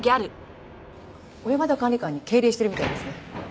小山田管理官に敬礼してるみたいですね。